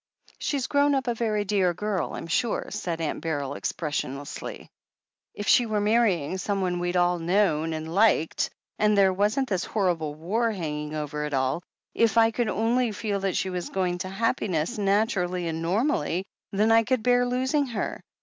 "She's grown up a very dear girl, I'm sure," said Aunt Beryl expressionlessly. "If she were marrying someone we'd all known and liked — and there wasn't this horrible war hanging over it all; if I could only feel that she was going to happi ness, naturally and normally — ^then I could bear losing her.